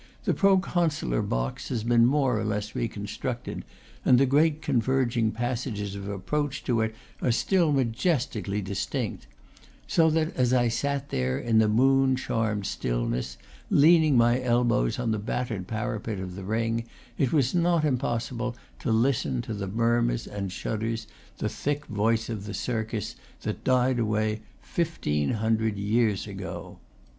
The proconsular box has been more or less recon structed, and the great converging passages of approach to it are still majestically distinct: so that, as I sat there in the moon charmed stillness, leaning my elbows on the battered parapet of the ring, it was not im possible to listen to the murmurs and shudders, the thick voice of the circus, that died away fifteen hun dred years ago.